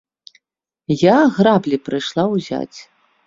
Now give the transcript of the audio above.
Я граблі прыйшла ўзяць!